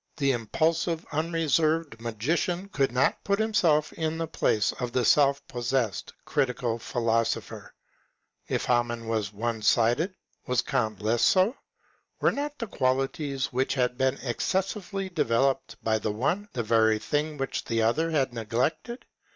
The impulsive, unreserved Magician could not put himself in the place of the self possessed Critical Philosopher. If Hamann was one sided, was Elant less so P Were not the qualities which had been excessively developed by the one, the very things which the other had neglected